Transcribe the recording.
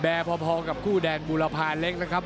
พอกับคู่แดนบูรพาเล็กนะครับ